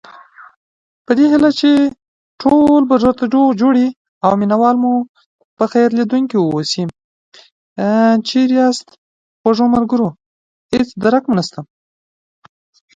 In the final stage he lost in the first round to Mike Brady.